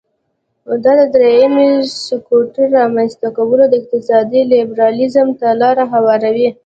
دا د دریم سکتور رامینځ ته کول د اقتصادي لیبرالیزم ته لار هواروي.